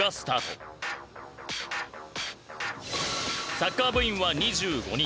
サッカー部員は２５人。